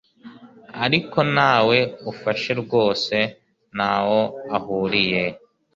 ariko ntawe ufashe rwose, ntaho ahuriye